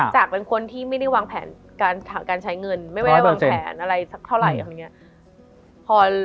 จากเป็นคนที่ไม่ได้วางแผนการใช้เงินไม่ได้วางแผนอะไรสักเท่าไหร่อะไรอย่างนี้